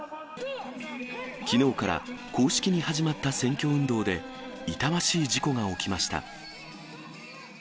きのうから公式に始まった選挙運動で痛ましい事故が起きました。